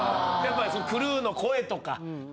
クルーの声とか。